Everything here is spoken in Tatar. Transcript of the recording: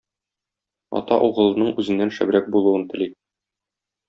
Ата угылының үзеннән шәбрәк булуын тели.